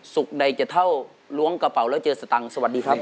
ใดจะเท่าล้วงกระเป๋าแล้วเจอสตังค์สวัสดีครับ